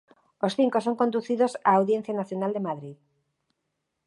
Os cinco son conducidos á Audiencia Nacional de Madrid.